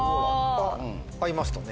合いましたね。